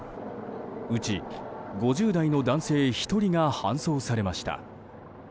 うち５０代の男性１人が搬送されました。